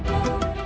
kau mau ngapain